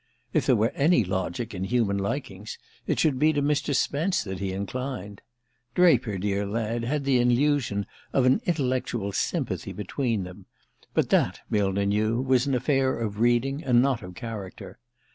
If there were any logic in human likings, it should be to Mr. Spence that he inclined. Draper, dear lad, had the illusion of an "intellectual sympathy" between them; but that, Millner knew, was an affair of reading and not of character.